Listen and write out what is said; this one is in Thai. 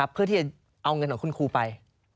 เพื่อที่จะเอาเงินของคุณครูไป